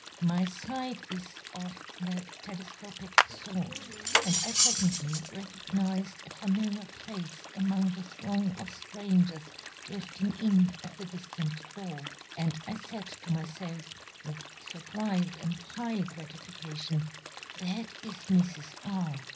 My sight is of the telescopic sort, and I presently recognized a familiar face among the throng of strangers drifting in at the distant door, and I said to myself, with surprise and high gratification, "That is Mrs. R.